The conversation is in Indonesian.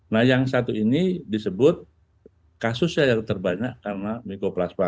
nah yang satu ini disebut kasusnya yang terbanyak karena mikroplasma